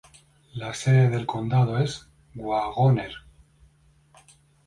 La sede del condado es Wagoner.